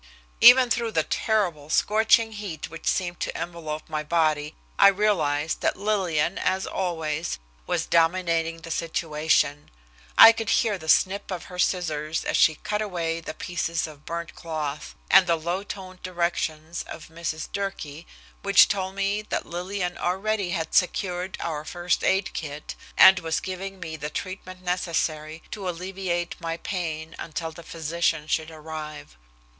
Even through the terrible scorching heat which seemed to envelop my body I realized that Lillian, as always, was dominating the situation. I could hear the snip of her scissors as she cut away the pieces of burned cloth, and the low toned directions to Mrs. Durkee, which told me that Lillian already had secured our first aid kit and was giving me the treatment necessary to alleviate my pain until the physician should arrive.